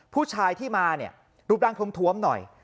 ผู้ชายที่มาเนี่ยรูปร่างทวมหน่อย